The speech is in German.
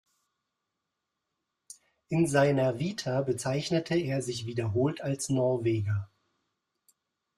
In seiner Vita bezeichnete er sich wiederholt als Norweger.